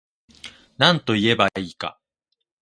なんといえば良いか